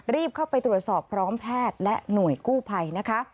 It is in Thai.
รีบเข้าไปตรวจสอบพร้อมแพทย์และหน่วยกู้ภัยนะคะ